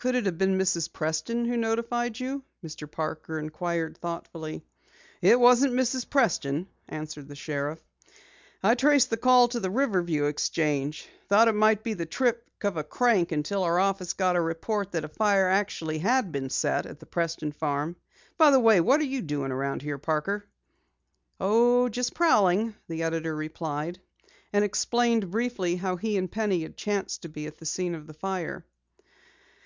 "Could it have been Mrs. Preston who notified you?" Mr. Parker inquired thoughtfully. "It wasn't Mrs. Preston," answered the sheriff. "I traced the call to the Riverview exchange. Thought it must be the trick of a crank until our office got a report that a fire actually had been set at the Preston farm. By the way, what are you doing around here, Parker?" "Oh, just prowling," the editor replied, and explained briefly how he and Penny had chanced to be at the scene of the fire.